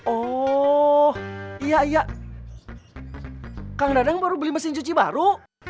oh iya iya kang dadang baru beli mesin cuci baru